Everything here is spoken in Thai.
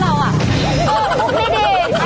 ก็มุกไม่ดี